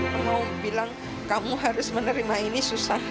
kamu bilang kamu harus menerima ini susah